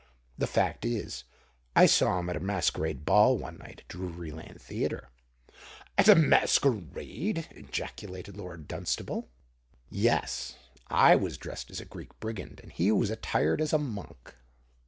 The fact is, I saw him at a masquerade ball one night, at Drury Lane theatre." "At a masquerade?" ejaculated Lord Dunstable. "Yes. I was dressed as a Greek brigand, and he was attired as a monk."